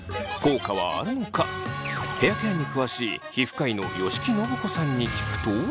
ヘアケアに詳しい皮膚科医の吉木伸子さんに聞くと？